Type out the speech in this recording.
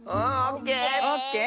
オッケー。